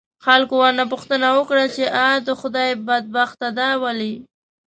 خلکو ورنه پوښتنه وکړه، چې آ د خدای بدبخته دا ولې؟